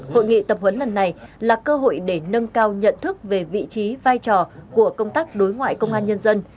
hội nghị tập huấn lần này là cơ hội để nâng cao nhận thức về vị trí vai trò của công tác đối ngoại công an nhân dân